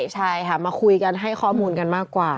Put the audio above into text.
ใช่ค่ะมาคุยกันให้ข้อมูลกันมากกว่า